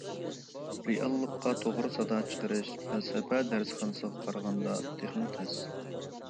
رېئاللىقتا توغرا سادا چىقىرىش پەلسەپە دەرسخانىسىغا قارىغاندا تېخىمۇ تەس.